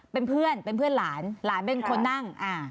เป็นเพื่อนเป็นเพื่อนหลานหลานเป็นคนนั่ง